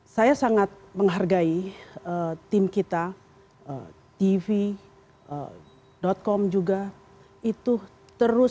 saya sangat menghargai tim kita tv com juga itu terus